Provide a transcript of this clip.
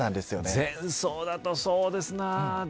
全層だとそうですな。